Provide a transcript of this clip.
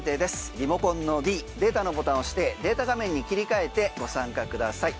リモコンのｄデータのボタン押してデータ画面に切り替えてご参加ください。